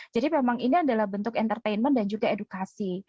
jadi memang ini adalah bentuk entertainment dan juga edukasi